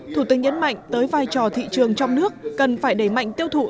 thủ tướng nhấn mạnh tới vai trò thị trường trong nước cần phải đẩy mạnh tiêu thụ